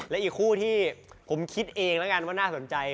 และอีกคู่ที่ผมคิดเองแล้วกันว่าน่าสนใจ